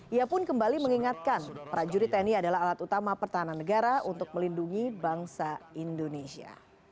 ia pun kembali mengingatkan prajurit tni adalah alat utama pertahanan negara untuk melindungi bangsa indonesia